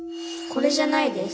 これじゃないです